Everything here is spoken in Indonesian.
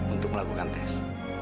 untuk melakukan tes